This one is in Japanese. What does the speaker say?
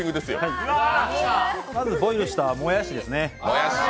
まず、ボイルしたもやしですね。